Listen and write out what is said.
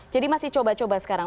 jadi masih coba coba sekarang